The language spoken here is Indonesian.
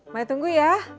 mari tunggu ya